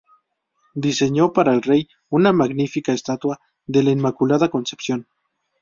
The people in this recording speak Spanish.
Diseñó para el rey una magnífica estatua de la "Inmaculada Concepción".